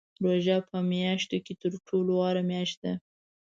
روژه په میاشتو کې تر ټولو غوره میاشت ده .